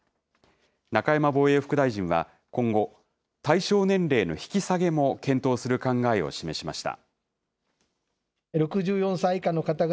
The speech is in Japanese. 中山防衛副大臣は今後、対象年齢の引き下げも検討する考えを示しました。